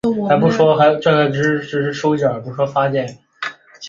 这让英国海军知道了德国的计划。